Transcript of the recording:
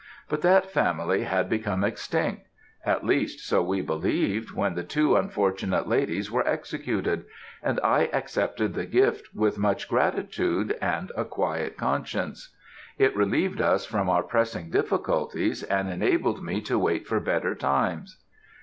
But that family had become extinct; at least, so we believed, when the two unfortunate ladies were executed, and I accepted the gift with much gratitude and a quiet conscience. It relieved us from our pressing difficulties, and enabled me to wait for better times.